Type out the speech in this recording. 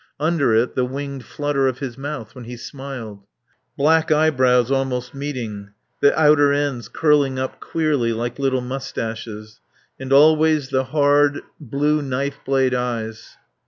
Under it the winged flutter of his mouth when he smiled. Black eyebrows almost meeting, the outer ends curling up queerly, like little moustaches. And always the hard, blue knife blade eyes.